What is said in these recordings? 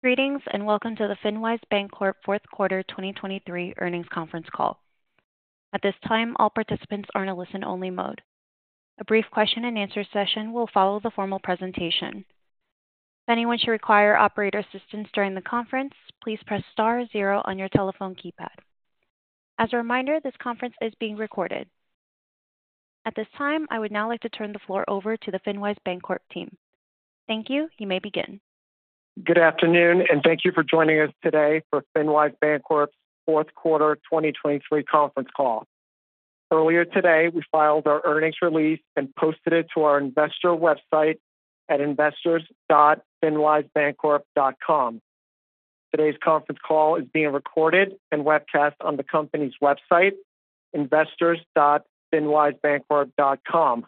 Greetings, and welcome to the FinWise Bancorp Fourth Quarter 2023 Earnings Conference Call. At this time, all participants are in a listen-only mode. A brief question-and-answer session will follow the formal presentation. If anyone should require operator assistance during the conference, please press star zero on your telephone keypad. As a reminder, this conference is being recorded. At this time, I would now like to turn the floor over to the FinWise Bancorp team. Thank you. You may begin. Good afternoon, and thank you for joining us today for FinWise Bancorp's fourth quarter 2023 conference call. Earlier today, we filed our earnings release and posted it to our investor website at investors.finwisebancorp.com. Today's conference call is being recorded and webcast on the company's website, investors.finwisebancorp.com.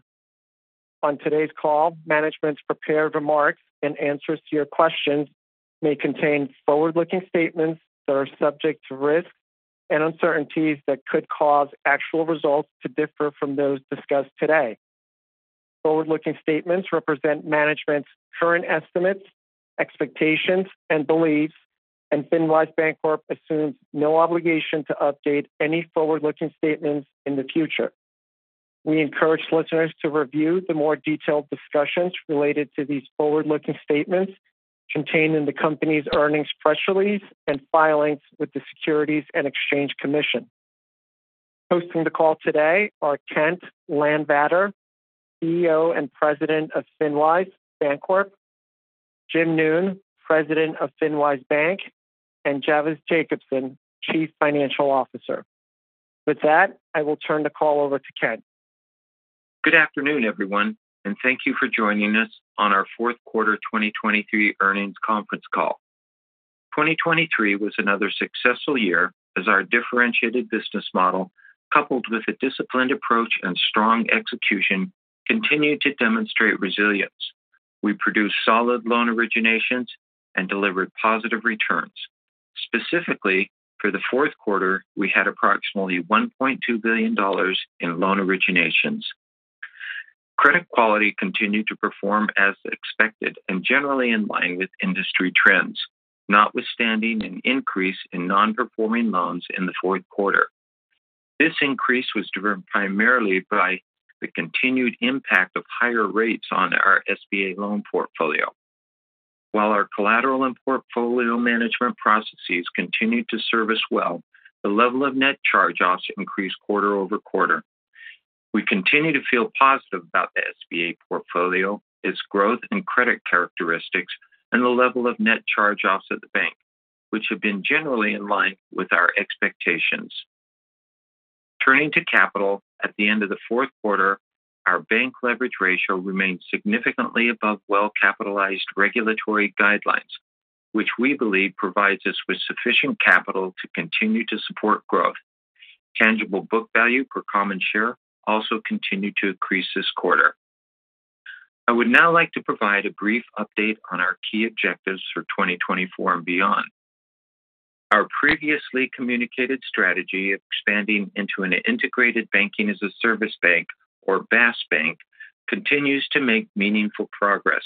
On today's call, management's prepared remarks and answers to your questions may contain forward-looking statements that are subject to risks and uncertainties that could cause actual results to differ from those discussed today. Forward-looking statements represent management's current estimates, expectations, and beliefs, and FinWise Bancorp assumes no obligation to update any forward-looking statements in the future. We encourage listeners to review the more detailed discussions related to these forward-looking statements contained in the company's earnings press release and filings with the Securities and Exchange Commission. Hosting the call today are Kent Landvatter, CEO and President of FinWise Bancorp, Jim Noone, President of FinWise Bank, and Javvis Jacobson, Chief Financial Officer. With that, I will turn the call over to Kent. Good afternoon, everyone, and thank you for joining us on our fourth quarter 2023 earnings conference call. 2023 was another successful year as our differentiated business model, coupled with a disciplined approach and strong execution, continued to demonstrate resilience. We produced solid loan originations and delivered positive returns. Specifically, for the fourth quarter, we had approximately $1.2 billion in loan originations. Credit quality continued to perform as expected and generally in line with industry trends, notwithstanding an increase in non-performing loans in the fourth quarter. This increase was driven primarily by the continued impact of higher rates on our SBA loan portfolio. While our collateral and portfolio management processes continued to serve us well, the level of net charge-offs increased quarter-over-quarter. We continue to feel positive about the SBA portfolio, its growth and credit characteristics, and the level of net charge-offs at the bank, which have been generally in line with our expectations. Turning to capital, at the end of the fourth quarter, our bank leverage ratio remained significantly above well-capitalized regulatory guidelines, which we believe provides us with sufficient capital to continue to support growth. Tangible book value per common share also continued to increase this quarter. I would now like to provide a brief update on our key objectives for 2024 and beyond. Our previously communicated strategy of expanding into an integrated banking-as-a-service bank, or BaaS bank, continues to make meaningful progress.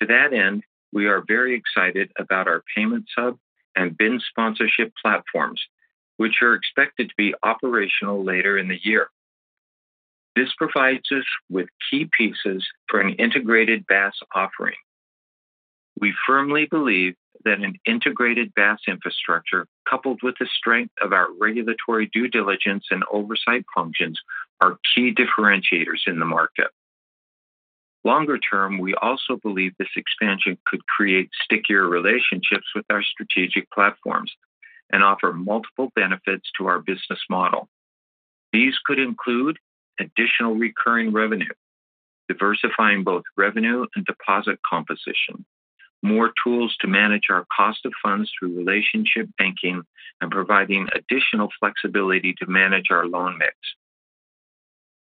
To that end, we are very excited about our payment hub and BIN Sponsorship platforms, which are expected to be operational later in the year. This provides us with key pieces for an integrated BaaS offering. We firmly believe that an integrated BaaS infrastructure, coupled with the strength of our regulatory due diligence and oversight functions, are key differentiators in the market. Longer term, we also believe this expansion could create stickier relationships with our strategic platforms and offer multiple benefits to our business model. These could include additional recurring revenue, diversifying both revenue and deposit composition, more tools to manage our cost of funds through relationship banking, and providing additional flexibility to manage our loan mix.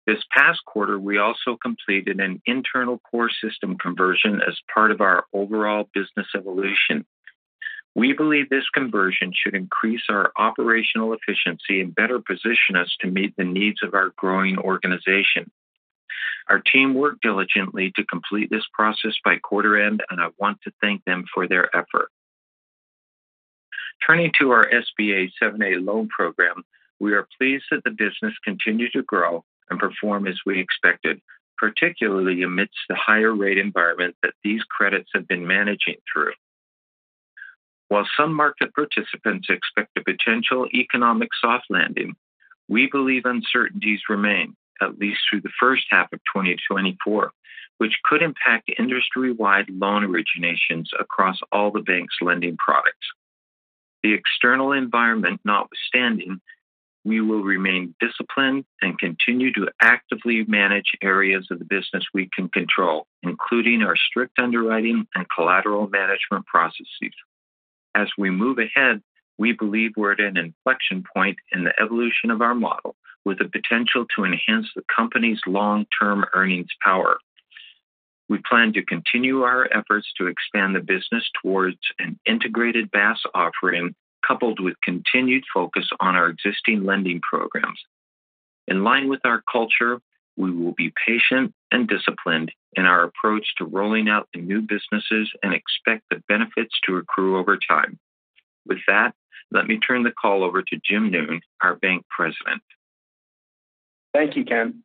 This past quarter, we also completed an internal core system conversion as part of our overall business evolution. We believe this conversion should increase our operational efficiency and better position us to meet the needs of our growing organization. Our team worked diligently to complete this process by quarter end, and I want to thank them for their effort. Turning to our SBA 7(a) loan program, we are pleased that the business continued to grow and perform as we expected, particularly amidst the higher rate environment that these credits have been managing through. While some market participants expect a potential economic soft landing, we believe uncertainties remain at least through the first half of 2024, which could impact industry-wide loan originations across all the bank's lending products. The external environment notwithstanding, we will remain disciplined and continue to actively manage areas of the business we can control, including our strict underwriting and collateral management processes. As we move ahead, we believe we're at an inflection point in the evolution of our model, with the potential to enhance the company's long-term earnings power. We plan to continue our efforts to expand the business towards an integrated BaaS offering, coupled with continued focus on our existing lending programs. In line with our culture, we will be patient and disciplined in our approach to rolling out the new businesses and expect the benefits to accrue over time. With that, let me turn the call over to Jim Noone, our Bank President. Thank you, Kent.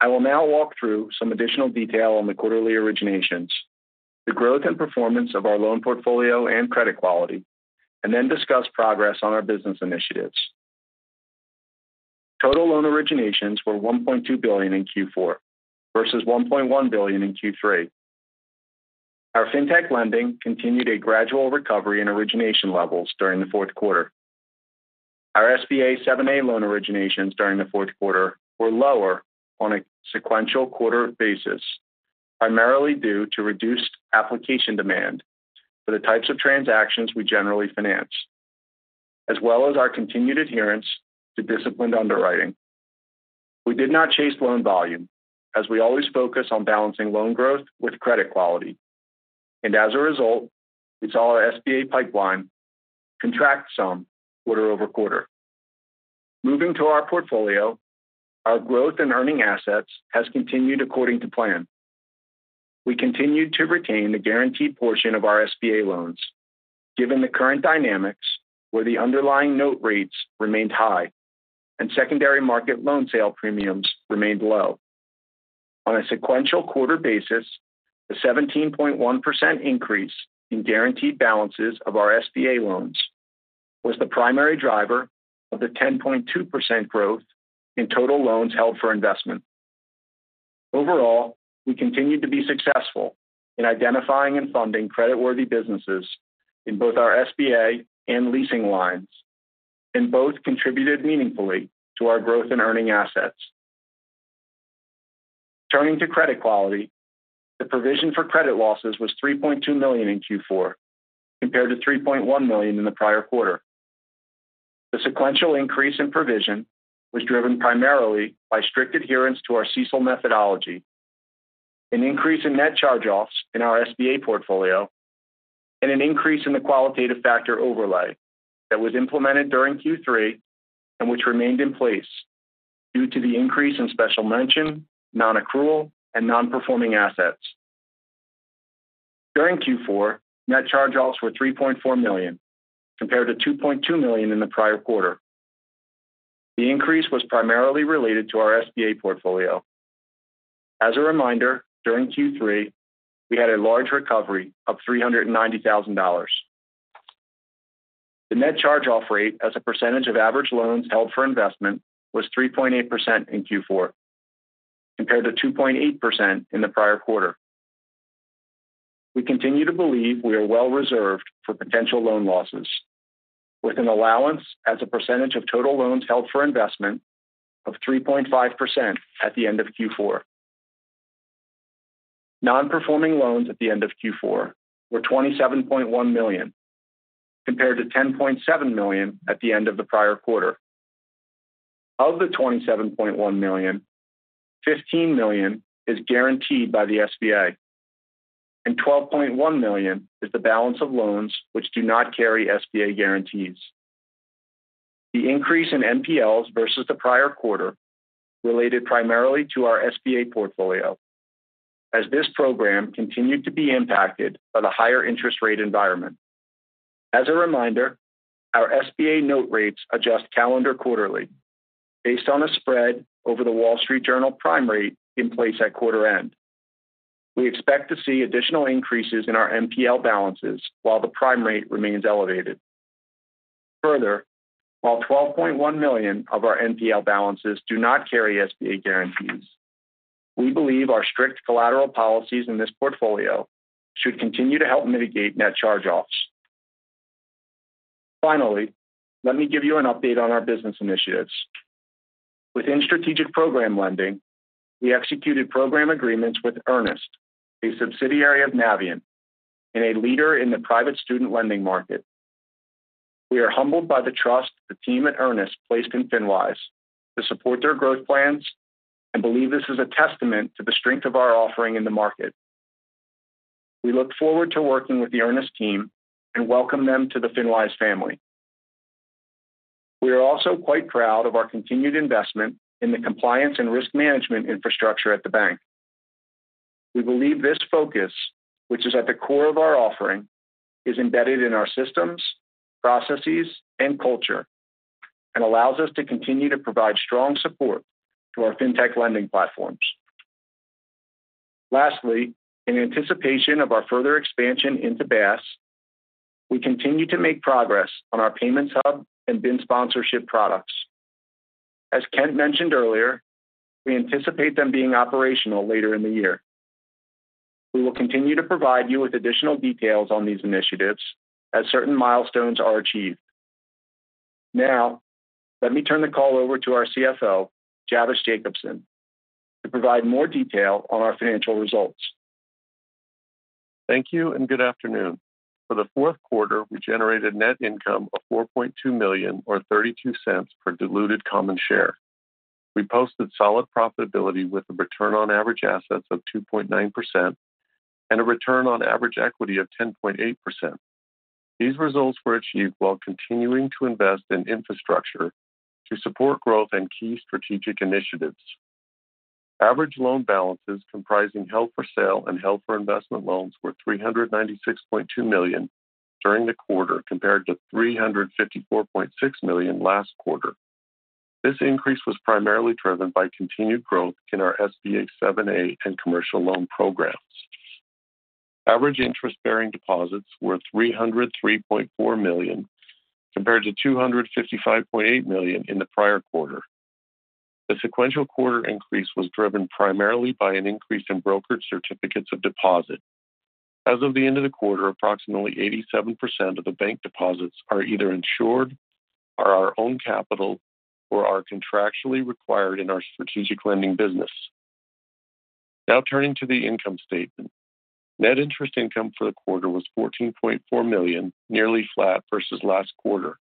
I will now walk through some additional detail on the quarterly originations, the growth and performance of our loan portfolio and credit quality, and then discuss progress on our business initiatives. Total loan originations were $1.2 billion in Q4, versus $1.1 billion in Q3. Our fintech lending continued a gradual recovery in origination levels during the fourth quarter. Our SBA 7(a) loan originations during the fourth quarter were lower on a sequential quarter basis, primarily due to reduced application demand for the types of transactions we generally finance, as well as our continued adherence to disciplined underwriting. We did not chase loan volume, as we always focus on balancing loan growth with credit quality, and as a result, we saw our SBA pipeline contract some quarter-over-quarter. Moving to our portfolio, our growth in earning assets has continued according to plan. We continued to retain the guaranteed portion of our SBA loans, given the current dynamics where the underlying note rates remained high and secondary market loan sale premiums remained low. On a sequential quarter basis, the 17.1% increase in guaranteed balances of our SBA loans was the primary driver of the 10.2% growth in total loans held for investment. Overall, we continued to be successful in identifying and funding creditworthy businesses in both our SBA and leasing lines, and both contributed meaningfully to our growth in earning assets. Turning to credit quality, the provision for credit losses was $3.2 million in Q4, compared to $3.1 million in the prior quarter. The sequential increase in provision was driven primarily by strict adherence to our CECL methodology, an increase in net charge-offs in our SBA portfolio, and an increase in the qualitative factor overlay that was implemented during Q3 and which remained in place due to the increase in special mention, non-accrual, and non-performing assets. During Q4, net charge-offs were $3.4 million, compared to $2.2 million in the prior quarter. The increase was primarily related to our SBA portfolio. As a reminder, during Q3, we had a large recovery of $390,000. The net charge-off rate as a percentage of average loans held for investment was 3.8% in Q4, compared to 2.8% in the prior quarter. We continue to believe we are well reserved for potential loan losses, with an allowance as a percentage of total loans held for investment of 3.5% at the end of Q4. Non-performing loans at the end of Q4 were $27.1 million, compared to $10.7 million at the end of the prior quarter. Of the $27.1 million, $15 million is guaranteed by the SBA, and $12.1 million is the balance of loans which do not carry SBA guarantees. The increase in NPLs versus the prior quarter related primarily to our SBA portfolio, as this program continued to be impacted by the higher interest rate environment. As a reminder, our SBA note rates adjust calendar quarterly based on a spread over the Wall Street Journal Prime Rate in place at quarter end. We expect to see additional increases in our NPL balances while the prime rate remains elevated. Further, while $12.1 million of our NPL balances do not carry SBA guarantees, we believe our strict collateral policies in this portfolio should continue to help mitigate net charge-offs. Finally, let me give you an update on our business initiatives. Within Strategic Program Lending, we executed program agreements with Earnest, a subsidiary of Navient and a leader in the private student lending market. We are humbled by the trust the team at Earnest placed in FinWise to support their growth plans and believe this is a testament to the strength of our offering in the market. We look forward to working with the Earnest team and welcome them to the FinWise family. We are also quite proud of our continued investment in the compliance and risk management infrastructure at the bank. We believe this focus, which is at the core of our offering, is embedded in our systems, processes, and culture, and allows us to continue to provide strong support to our fintech lending platforms. Lastly, in anticipation of our further expansion into BaaS, we continue to make progress on our payments hub and BIN Sponsorship products. As Kent mentioned earlier, we anticipate them being operational later in the year. We will continue to provide you with additional details on these initiatives as certain milestones are achieved. Now, let me turn the call over to our CFO, Javvis Jacobson, to provide more detail on our financial results. Thank you, and good afternoon. For the fourth quarter, we generated net income of $4.2 million, or $0.32 per diluted common share. We posted solid profitability with a return on average assets of 2.9% and a return on average equity of 10.8%.... These results were achieved while continuing to invest in infrastructure to support growth and key strategic initiatives. Average loan balances comprising held for sale and held for investment loans were $396.2 million during the quarter, compared to $354.6 million last quarter. This increase was primarily driven by continued growth in our SBA 7(a) and commercial loan programs. Average interest-bearing deposits were $303.4 million, compared to $255.8 million in the prior quarter. The sequential quarter increase was driven primarily by an increase in brokered certificates of deposit. As of the end of the quarter, approximately 87% of the bank deposits are either insured, are our own capital, or are contractually required in our strategic lending business. Now turning to the income statement. Net interest income for the quarter was $14.4 million, nearly flat versus last quarter.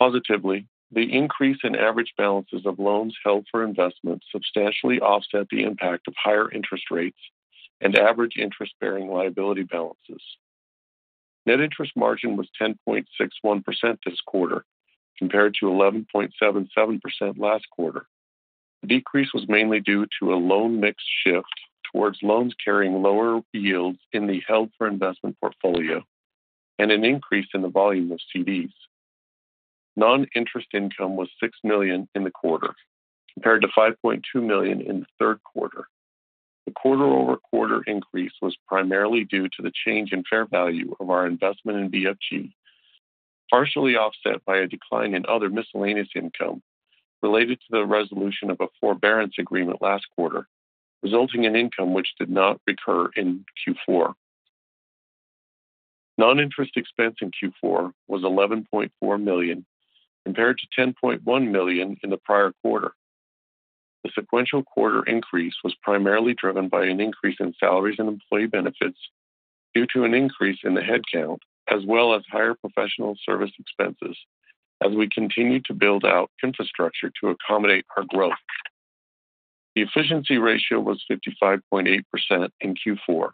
Positively, the increase in average balances of loans held for investment substantially offset the impact of higher interest rates and average interest-bearing liability balances. Net interest margin was 10.61% this quarter, compared to 11.77% last quarter. The decrease was mainly due to a loan mix shift towards loans carrying lower yields in the held for investment portfolio and an increase in the volume of CDs. Non-interest income was $6 million in the quarter, compared to $5.2 million in the third quarter. The quarter-over-quarter increase was primarily due to the change in fair value of our investment in BFG, partially offset by a decline in other miscellaneous income related to the resolution of a forbearance agreement last quarter, resulting in income which did not recur in Q4. Non-interest expense in Q4 was $11.4 million, compared to $10.1 million in the prior quarter. The sequential quarter-over-quarter increase was primarily driven by an increase in salaries and employee benefits due to an increase in the head count, as well as higher professional service expenses as we continue to build out infrastructure to accommodate our growth. The efficiency ratio was 55.8% in Q4,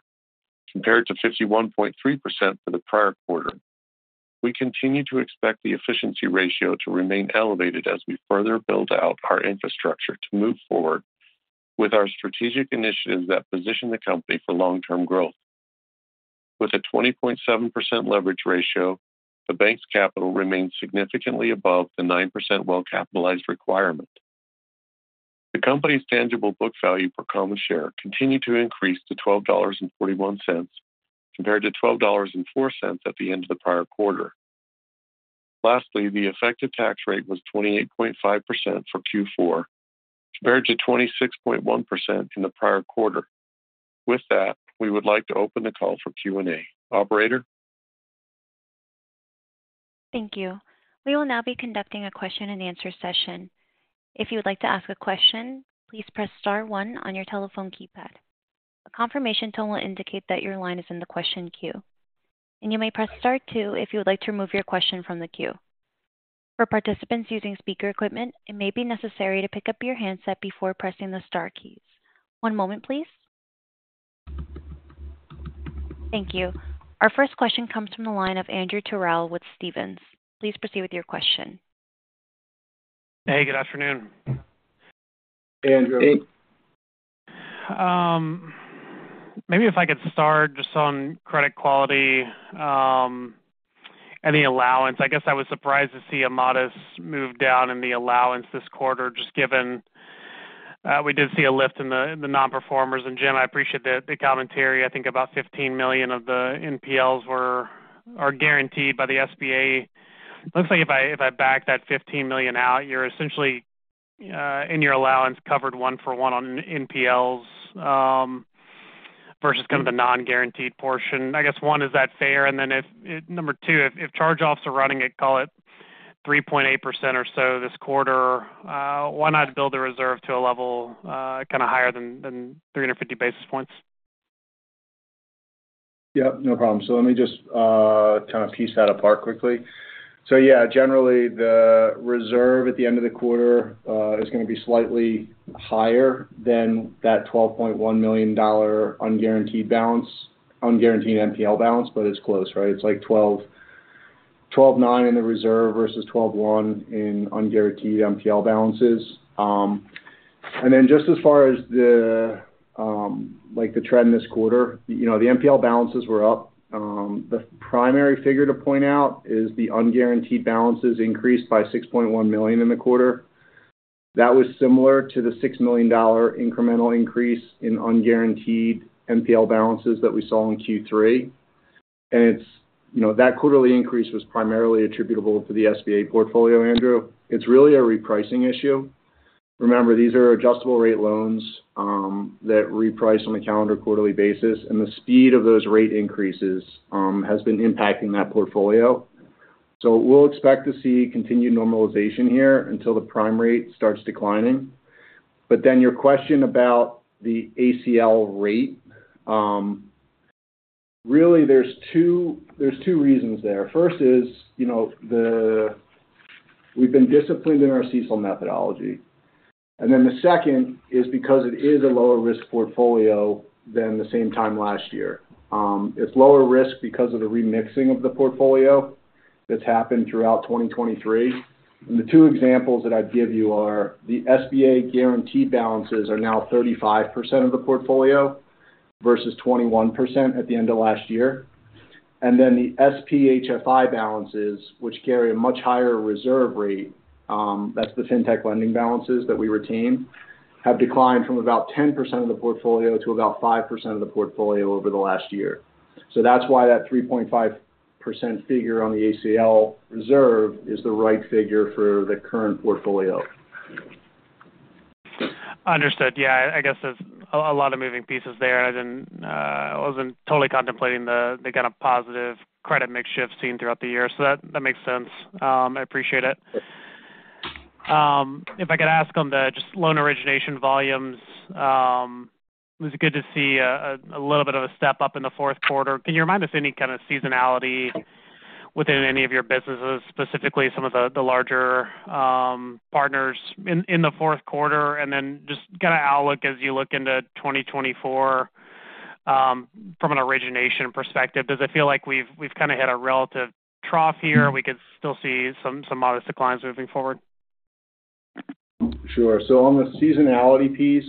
compared to 51.3% for the prior quarter. We continue to expect the efficiency ratio to remain elevated as we further build out our infrastructure to move forward with our strategic initiatives that position the company for long-term growth. With a 20.7% leverage ratio, the bank's capital remains significantly above the 9% well-capitalized requirement. The company's tangible book value per common share continued to increase to $12.41, compared to $12.04 at the end of the prior quarter. Lastly, the effective tax rate was 28.5% for Q4, compared to 26.1% in the prior quarter. With that, we would like to open the call for Q&A. Operator? Thank you. We will now be conducting a question and answer session. If you would like to ask a question, please press star one on your telephone keypad. A confirmation tone will indicate that your line is in the question queue, and you may press star two if you would like to remove your question from the queue. For participants using speaker equipment, it may be necessary to pick up your handset before pressing the star keys. One moment, please. Thank you. Our first question comes from the line of Andrew Terrell with Stephens. Please proceed with your question. Hey, good afternoon. Hey, Andrew. Maybe if I could start just on credit quality and the allowance. I guess I was surprised to see a modest move down in the allowance this quarter, just given we did see a lift in the non-performers. Jim, I appreciate the commentary. I think about $15 million of the NPLs are guaranteed by the SBA. Looks like if I back that $15 million out, you're essentially in your allowance covered one for one on NPLs versus kind of the non-guaranteed portion. I guess, one, is that fair? And then number two, if charge-offs are running at, call it 3.8% or so this quarter, why not build a reserve to a level kind of higher than 350 basis points? Yep, no problem. So let me just kind of pick that apart quickly. So yeah, generally the reserve at the end of the quarter is going to be slightly higher than that $12.1 million unguaranteed balance, unguaranteed NPL balance, but it's close, right? It's like 12, 12.9 in the reserve versus 12.1 in unguaranteed NPL balances. And then just as far as the, like, the trend this quarter, you know, the NPL balances were up. The primary figure to point out is the unguaranteed balances increased by $6.1 million in the quarter. That was similar to the $6 million incremental increase in unguaranteed NPL balances that we saw in Q3. And it's, you know, that quarterly increase was primarily attributable to the SBA portfolio, Andrew. It's really a repricing issue. Remember, these are adjustable rate loans that reprice on a calendar quarterly basis, and the speed of those rate increases has been impacting that portfolio. So we'll expect to see continued normalization here until the prime rate starts declining. But then your question about the ACL rate, really there's two, there's two reasons there. First is, you know, the-... We've been disciplined in our CECL methodology. And then the second is because it is a lower-risk portfolio than the same time last year. It's lower risk because of the remixing of the portfolio that's happened throughout 2023. And the two examples that I'd give you are: the SBA guaranteed balances are now 35% of the portfolio, versus 21% at the end of last year. And then the SPHFI balances, which carry a much higher reserve rate, that's the fintech lending balances that we retain, have declined from about 10% of the portfolio to about 5% of the portfolio over the last year. So that's why that 3.5% figure on the ACL reserve is the right figure for the current portfolio. Understood. Yeah, I guess there's a lot of moving pieces there. I didn't I wasn't totally contemplating the kind of positive credit mix shift seen throughout the year. So that makes sense. I appreciate it. If I could ask on the just loan origination volumes, it was good to see a little bit of a step-up in the fourth quarter. Can you remind us of any kind of seasonality within any of your businesses, specifically some of the larger partners in the fourth quarter? And then just kind of outlook as you look into 2024, from an origination perspective, does it feel like we've kind of hit a relative trough here, and we could still see some modest declines moving forward? Sure. So, on the seasonality piece,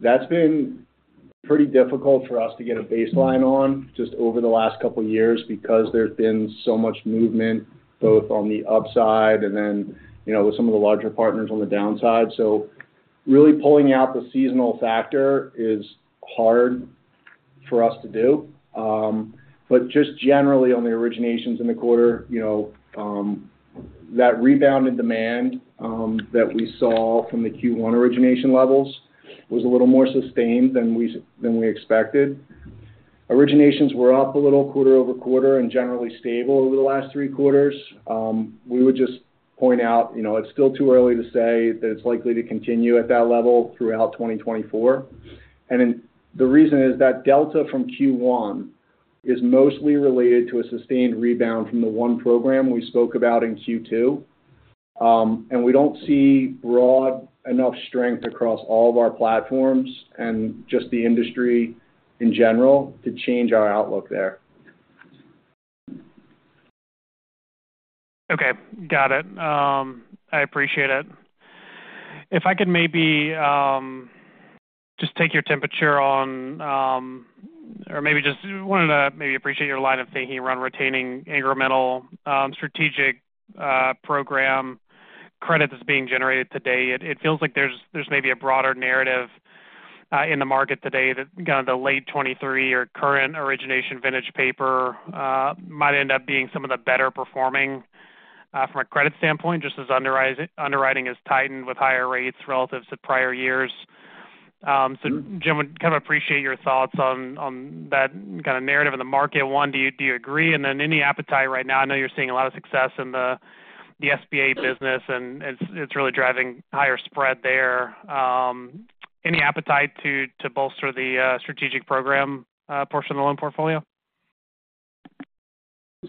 that's been pretty difficult for us to get a baseline on just over the last couple of years because there's been so much movement, both on the upside and then, you know, with some of the larger partners on the downside. So really pulling out the seasonal factor is hard for us to do. But just generally, on the originations in the quarter, you know, that rebounded demand, that we saw from the Q1 origination levels was a little more sustained than we expected. Originations were up a little quarter-over-quarter and generally stable over the last three quarters. We would just point out, you know, it's still too early to say that it's likely to continue at that level throughout 2024. Then the reason is that delta from Q1 is mostly related to a sustained rebound from the one program we spoke about in Q2. We don't see broad enough strength across all of our platforms and just the industry in general to change our outlook there. Okay, got it. I appreciate it. If I could maybe just take your temperature on, or maybe just wanted to maybe appreciate your line of thinking around retaining incremental strategic program credit that's being generated today. It feels like there's maybe a broader narrative in the market today that, kind of, the late 2023 or current origination vintage paper might end up being some of the better performing from a credit standpoint, just as underwriting has tightened with higher rates relative to prior years. So, Jim, would kind of appreciate your thoughts on that kind of narrative in the market. One, do you agree? And then any appetite right now, I know you're seeing a lot of success in the SBA business, and it's really driving higher spread there. Any appetite to bolster the strategic program portion of the loan portfolio?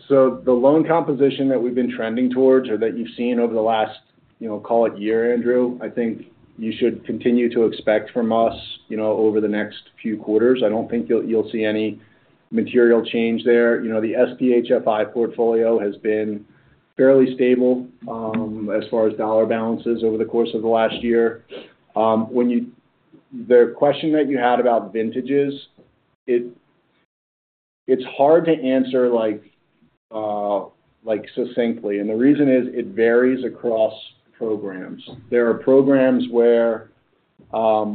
So the loan composition that we've been trending towards or that you've seen over the last, you know, call it year, Andrew, I think you should continue to expect from us, you know, over the next few quarters. I don't think you'll see any material change there. You know, the SPHFI portfolio has been fairly stable as far as dollar balances over the course of the last year. When you, The question that you had about vintages, it's hard to answer like succinctly, and the reason is it varies across programs. There are programs where I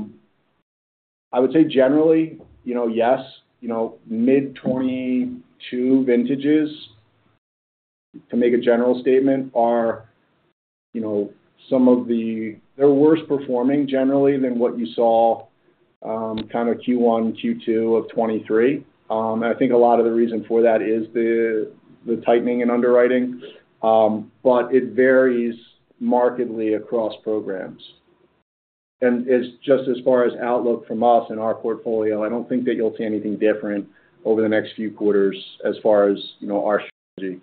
would say generally, you know, yes, you know, mid-2022 vintages, to make a general statement, are some of the - they're worse performing generally than what you saw kind of Q1, Q2 of 2023. I think a lot of the reason for that is the tightening in underwriting, but it varies markedly across programs. As far as outlook from us and our portfolio, I don't think that you'll see anything different over the next few quarters as far as, you know, our strategy.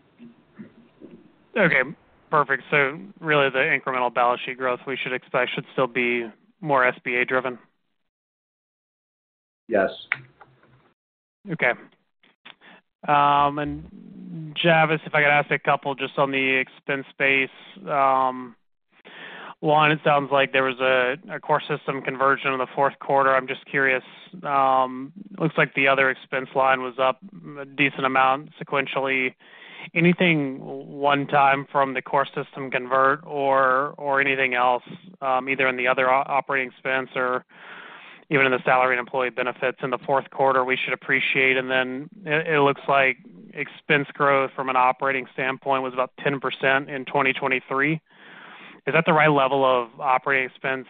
Okay, perfect. So really, the incremental balance sheet growth we should expect should still be more SBA-driven? Yes. Okay. And Javvis, if I could ask a couple just on the expense base. One, it sounds like there was a core system conversion in the fourth quarter. I'm just curious, it looks like the other expense line was up a decent amount sequentially. Anything one time from the core system convert or anything else, either in the other operating expense or even in the salary and employee benefits in the fourth quarter, we should appreciate? And then it looks like expense growth from an operating standpoint was about 10% in 2023. Is that the right level of operating expense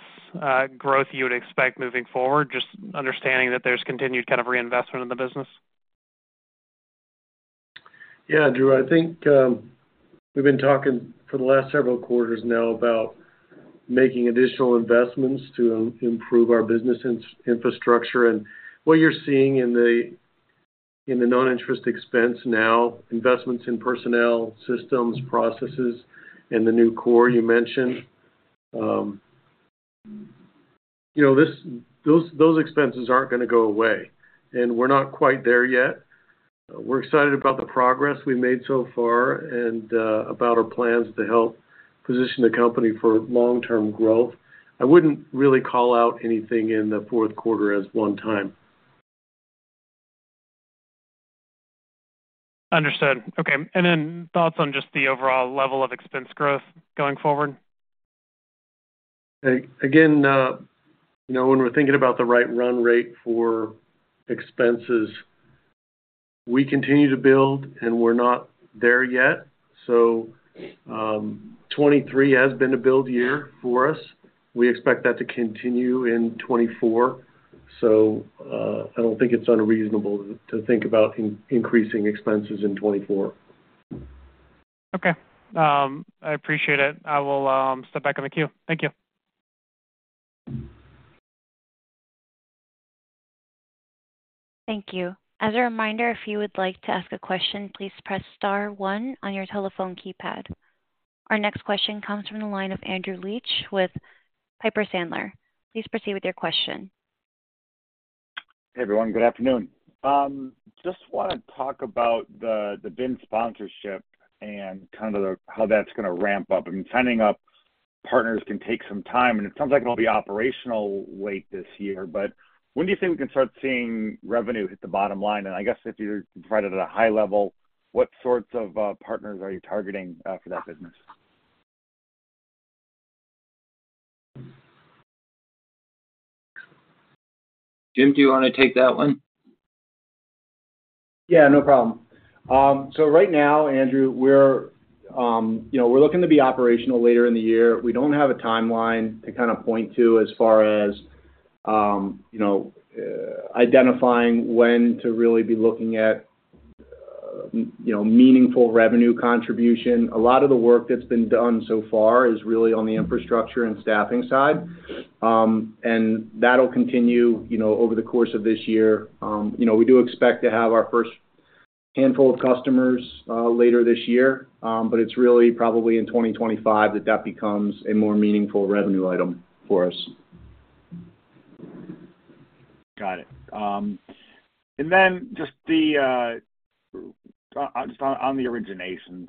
growth you would expect moving forward, just understanding that there's continued kind of reinvestment in the business? Yeah, Drew, I think we've been talking for the last several quarters now about making additional investments to improve our business infrastructure. And what you're seeing in the non-interest expense now, investments in personnel, systems, processes, and the new core you mentioned. You know, those expenses aren't going to go away, and we're not quite there yet. We're excited about the progress we've made so far and about our plans to help position the company for long-term growth. I wouldn't really call out anything in the fourth quarter as one time. Understood. Okay, and then thoughts on just the overall level of expense growth going forward? Again, you know, when we're thinking about the right run rate for expenses, we continue to build, and we're not there yet. So, 2023 has been a build year for us. We expect that to continue in 2024. So, I don't think it's unreasonable to think about increasing expenses in 2024. Okay. I appreciate it. I will step back in the queue. Thank you. Thank you. As a reminder, if you would like to ask a question, please press star one on your telephone keypad. Our next question comes from the line of Andrew Liesch with Piper Sandler. Please proceed with your question. Hey, everyone. Good afternoon. Just want to talk about the BIN Sponsorship and kind of how that's going to ramp up. I mean, signing up partners can take some time, and it sounds like it'll be operational late this year. But when do you think we can start seeing revenue hit the bottom line? And I guess if you provide it at a high level, what sorts of partners are you targeting for that business? Jim, do you want to take that one? Yeah, no problem. So right now, Andrew, we're, you know, we're looking to be operational later in the year. We don't have a timeline to kind of point to as far as, you know, identifying when to really be looking at, you know, meaningful revenue contribution. A lot of the work that's been done so far is really on the infrastructure and staffing side. And that'll continue, you know, over the course of this year. You know, we do expect to have our first handful of customers, later this year. But it's really probably in 2025 that that becomes a more meaningful revenue item for us. Got it. And then just the just on the originations.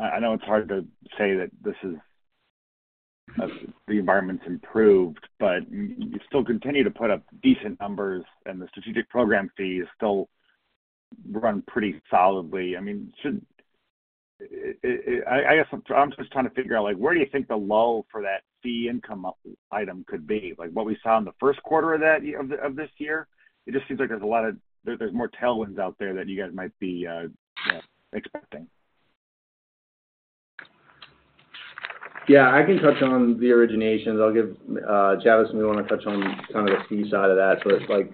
I know it's hard to say that this is the environment's improved, but you still continue to put up decent numbers, and the Strategic Program fee is still run pretty solidly. I mean, should I guess I'm just trying to figure out, like, where do you think the low for that fee income item could be? Like, what we saw in the first quarter of that this year, it just seems like there's more tailwinds out there that you guys might be you know expecting. Yeah, I can touch on the originations. I'll give, Javvis may want to touch on kind of the fee side of that. But, like,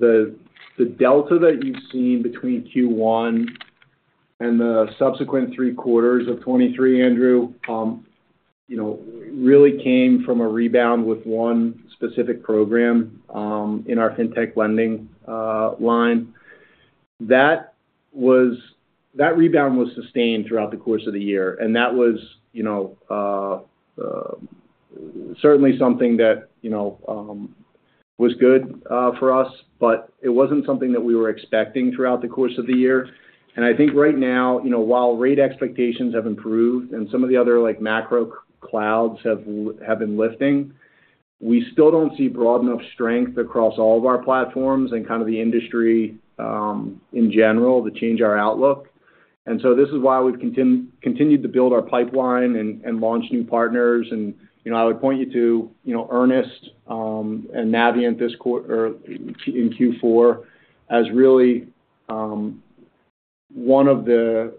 the delta that you've seen between Q1 and the subsequent three quarters of 2023, Andrew, you know, really came from a rebound with one specific program in our fintech lending line. That rebound was sustained throughout the course of the year, and that was, you know, certainly something that, you know, was good for us, but it wasn't something that we were expecting throughout the course of the year. I think right now, you know, while rate expectations have improved and some of the other, like, macro clouds have been lifting, we still don't see broad enough strength across all of our platforms and kind of the industry in general to change our outlook. So this is why we've continued to build our pipeline and launch new partners. You know, I would point you to, you know, Earnest and Navient this quarter or in Q4, as really one of the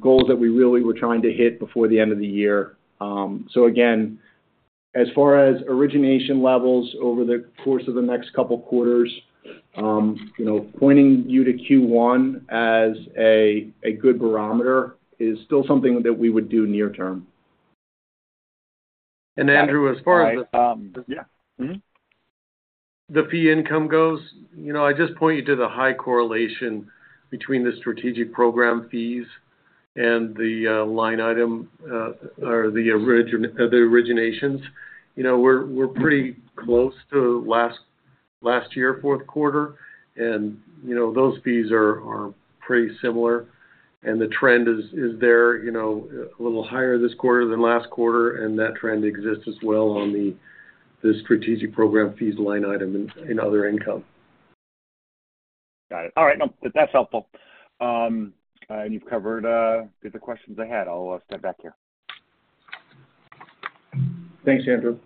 goals that we really were trying to hit before the end of the year. So again, as far as origination levels over the course of the next couple quarters, you know, pointing you to Q1 as a good barometer is still something that we would do near term. Andrew, as far as, Yeah. Mm-hmm. The fee income goes, you know, I just point you to the high correlation between the strategic program fees and the line item or the originations. You know, we're pretty close to last year fourth quarter, and, you know, those fees are pretty similar. And the trend is there, you know, a little higher this quarter than last quarter, and that trend exists as well on the strategic program fees line item in other income. Got it. All right, but that's helpful. And you've covered the questions I had. I'll step back here. Thanks, Andrew.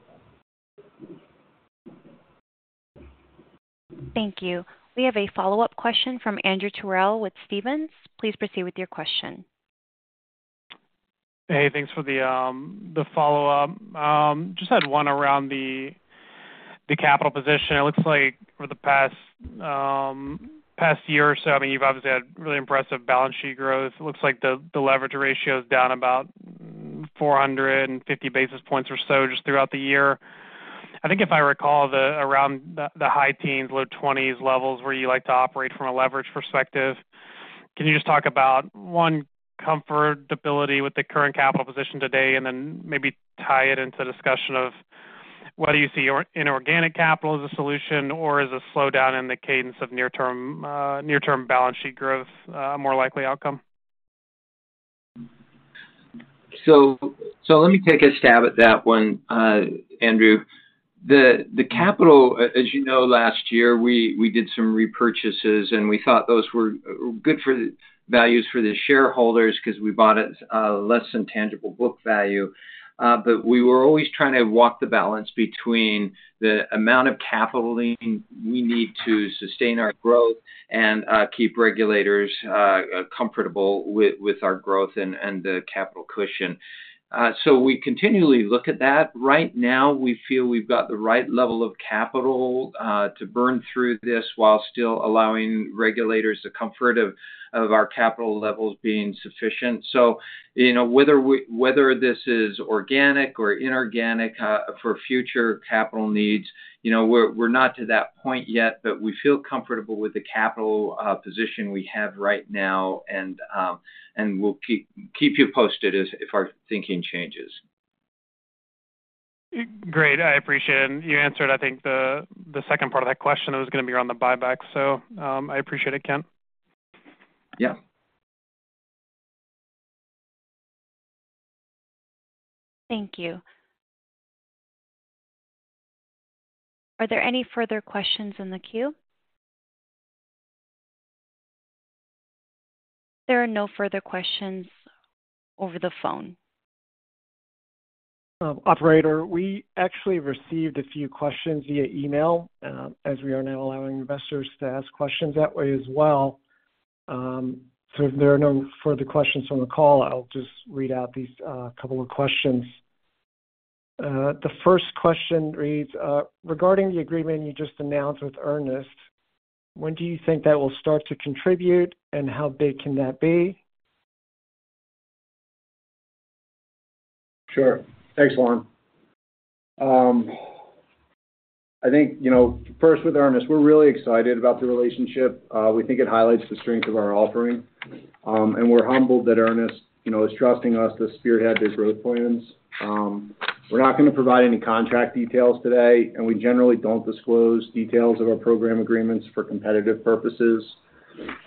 Thank you. We have a follow-up question from Andrew Terrell with Stephens. Please proceed with your question. Hey, thanks for the follow-up. Just had one around the capital position. It looks like for the past year or so, I mean, you've obviously had really impressive balance sheet growth. It looks like the leverage ratio is down about 450 basis points or so just throughout the year. I think if I recall, around the high teens, low twenties levels, where you like to operate from a leverage perspective. Can you just talk about, one, comfortability with the current capital position today, and then maybe tie it into the discussion of whether you see inorganic capital as a solution, or is a slowdown in the cadence of near-term balance sheet growth a more likely outcome? So let me take a stab at that one, Andrew. The capital, as you know, last year, we did some repurchases, and we thought those were good for the values for the shareholders because we bought it less than tangible book value. But we were always trying to walk the balance between the amount of capital we need to sustain our growth and keep regulators comfortable with our growth and the capital cushion. So we continually look at that. Right now, we feel we've got the right level of capital to burn through this while still allowing regulators the comfort of our capital levels being sufficient. So, you know, whether this is organic or inorganic for future capital needs, you know, we're not to that point yet, but we feel comfortable with the capital position we have right now. And we'll keep you posted as if our thinking changes. Great. I appreciate it. And you answered, I think, the second part of that question. It was gonna be around the buyback, so, I appreciate it, Ken. Yeah. Thank you. Are there any further questions in the queue? There are no further questions over the phone. Operator, we actually received a few questions via email, as we are now allowing investors to ask questions that way as well. So if there are no further questions from the call, I'll just read out these couple of questions. The first question reads: Regarding the agreement you just announced with Earnest, when do you think that will start to contribute, and how big can that be? Sure. Thanks, Lauren. I think, you know, first with Earnest, we're really excited about the relationship. We think it highlights the strength of our offering. And we're humbled that Earnest, you know, is trusting us to spearhead their growth plans. We're not going to provide any contract details today, and we generally don't disclose details of our program agreements for competitive purposes.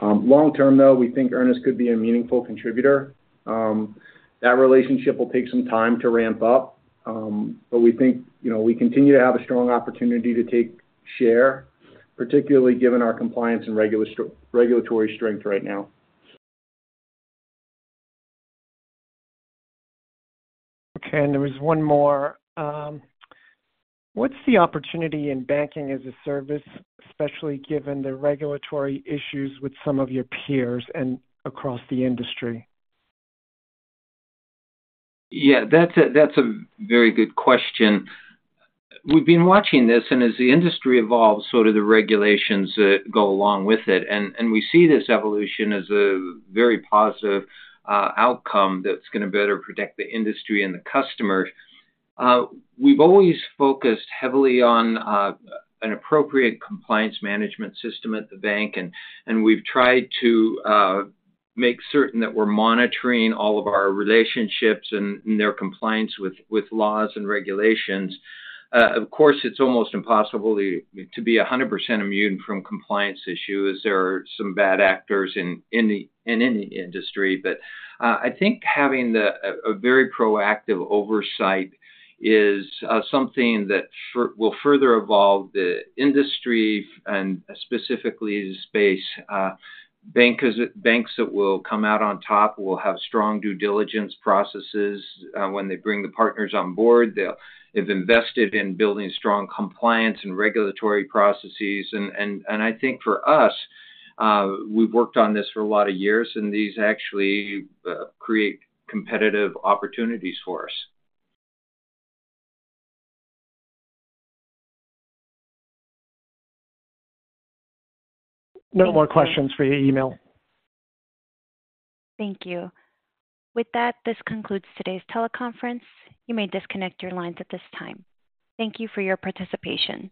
Long term, though, we think Earnest could be a meaningful contributor. That relationship will take some time to ramp up. But we think, you know, we continue to have a strong opportunity to take share, particularly given our compliance and regulatory strength right now. Okay, and there was one more. What's the opportunity in banking as a service, especially given the regulatory issues with some of your peers and across the industry? Yeah, that's a very good question. We've been watching this, and as the industry evolves, so do the regulations that go along with it. We see this evolution as a very positive outcome that's going to better protect the industry and the customers. We've always focused heavily on an appropriate compliance management system at the bank, and we've tried to make certain that we're monitoring all of our relationships and their compliance with laws and regulations. Of course, it's almost impossible to be 100% immune from compliance issues. There are some bad actors in any industry. But I think having a very proactive oversight is something that will further evolve the industry and specifically the space. Bankers, banks that will come out on top will have strong due diligence processes. When they bring the partners on board, they'll have invested in building strong compliance and regulatory processes. And I think for us, we've worked on this for a lot of years, and these actually create competitive opportunities for us. No more questions for your email. Thank you. With that, this concludes today's teleconference. You may disconnect your lines at this time. Thank you for your participation.